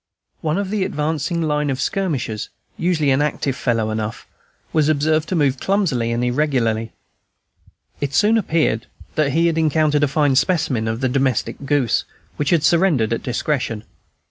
One of the advancing line of skirmishers, usually an active fellow enough, was observed to move clumsily and irregularly. It soon appeared that he had encountered a fine specimen of the domestic goose, which had surrendered at discretion.